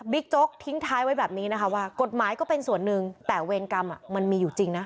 โจ๊กทิ้งท้ายไว้แบบนี้นะคะว่ากฎหมายก็เป็นส่วนหนึ่งแต่เวรกรรมมันมีอยู่จริงนะ